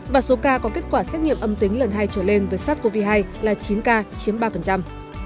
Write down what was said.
và số ca có kết quả xét nghiệm âm tính lần hai trở lên với sars cov hai là chín ca chiếm ba